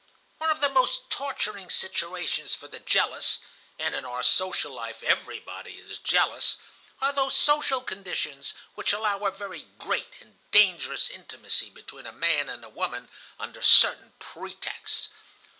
"One of the most torturing situations for the jealous (and in our social life everybody is jealous) are those social conditions which allow a very great and dangerous intimacy between a man and a woman under certain pretexts.